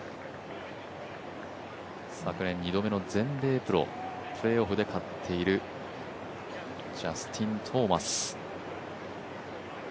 昨年２度目の全米プロプレーオフで勝っているジャスティン・トーマス。